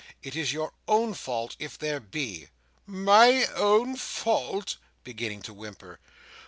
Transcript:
It is your own fault if there be." "My own fault!" beginning to whimper.